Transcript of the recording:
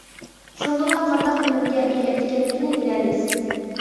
شۇندىلا قانداق ئۈنۈمگە ئىگە ئىكەنلىكىنى بىلەلەيسىز.